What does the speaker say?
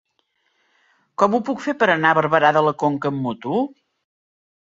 Com ho puc fer per anar a Barberà de la Conca amb moto?